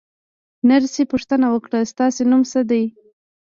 نرسې پوښتنه وکړه: ستاسې نوم څه دی؟